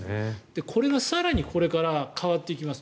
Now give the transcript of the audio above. これが更にこれから変わっていきます。